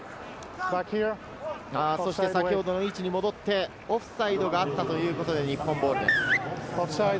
先ほどの位置に戻って、オフサイドがあったということで、日本ボールです。